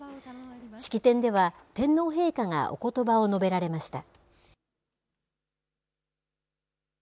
式典では、天皇陛下がおことばを述べられました。